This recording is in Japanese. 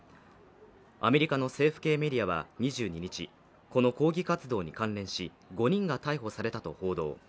アメリカの政府系メディアは２２日、この抗議活動に関連し、５人が逮捕されたと報道。